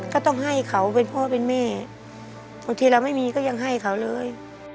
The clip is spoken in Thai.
ก็ต้องให้เขาเป็นพ่อเป็นแม่บางทีเราไม่มีก็ยังให้เขาเลย